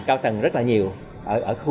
cao tầng rất là nhiều ở khu